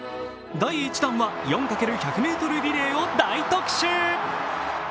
第１弾は、４×１００ｍリレーを大特集。